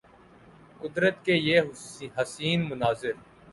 قدرت کے یہ حسین مناظر